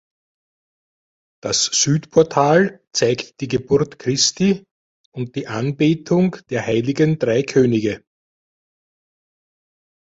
Das Südportal zeigt die Geburt Christi und die Anbetung der Heiligen Drei Könige.